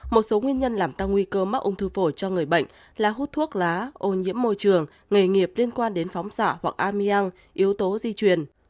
một số nguyên nhân làm tăng nguy cơ mắc ung thư phổi cho người bệnh là hút thuốc lá ô nhiễm môi trường nghề nghiệp liên quan đến phóng xạ hoặc ameang yếu tố di truyền